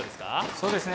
そうですね。